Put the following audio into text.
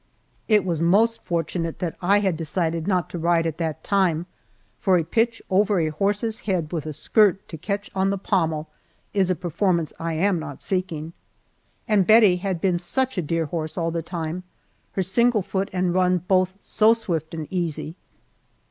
It was most fortunate that I had decided not to ride at that time, for a pitch over a horse's head with a skirt to catch on the pommel is a performance I am not seeking. And Bettie had been such a dear horse all the time, her single foot and run both so swift and easy.